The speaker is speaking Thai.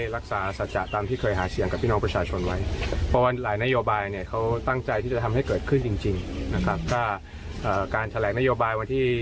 รักษาสรรจากับหาเสียงกับน้องประชาชนใล่นโยบาย